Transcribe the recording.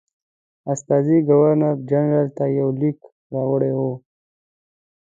استازي ګورنرجنرال ته یو لیک راوړی وو.